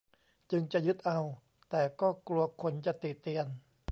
จึงจะยึดเอาแต่ก็กลัวคนจะติเตียน